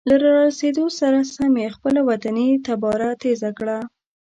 له را رسیدو سره سم یې خپله وطني تباره تیزه کړه.